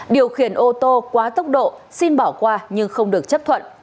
điều khiển ô tô quá tốc độ xin bỏ qua nhưng không được chấp thuận